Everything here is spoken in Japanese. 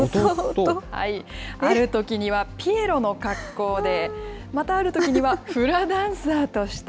あるときにはピエロの格好で、またあるときには、フラダンサーとして。